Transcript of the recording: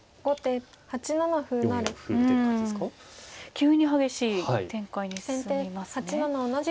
急に激しい展開に進みますね。